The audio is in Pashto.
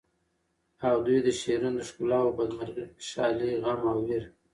او ددوی د شعرونو د ښکلاوو بد مرغي، خوشالی، غم او وېر